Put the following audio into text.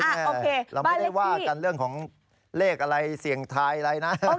บ้านเลขที่เราไม่ได้ว่าการเลขของเรียงอะไรเสียงทายอะไร